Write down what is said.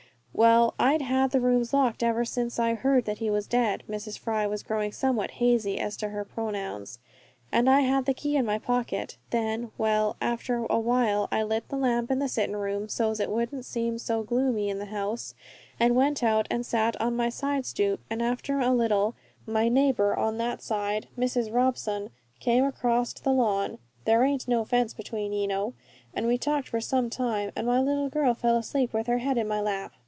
"Well, I'd had the rooms locked ever since I heard that he was dead." Mrs. Fry was growing somewhat hazy as to her pronouns. "And I had the key in my pocket. Then, well, after a while I lit the lamp in the sittin' room so's it wouldn't seem so gloomy in the house, and went out and sat on my side stoop, and after a little my neighbour on that side, Mrs. Robson, came acrost the lawn there aint no fence between, ye know and we talked for some time, and my little girl fell asleep with her head in my lap."